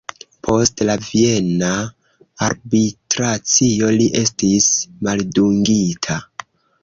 Post la viena arbitracio li estis maldungita.